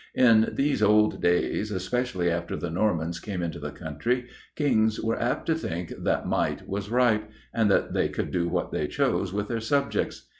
In these old days, especially after the Normans came into the country, Kings were apt to think that might was right, and that they could do what they chose with their subjects.